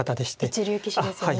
一流棋士ですよね。